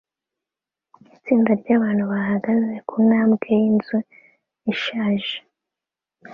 Itsinda ryabantu bahagaze kuntambwe yinzu ishaje